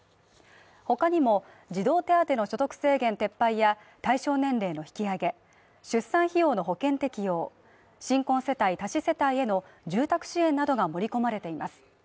他にも児童手当の所得制限撤廃や対象年齢の引き上げ、出産費用の保険適用新婚世帯たち世帯への住宅支援などが盛り込まれています。